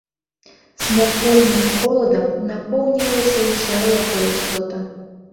Смяртэльным холадам напоўнілася ўся яго істота.